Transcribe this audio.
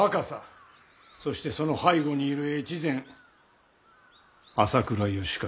そしてその背後にいる越前朝倉義景。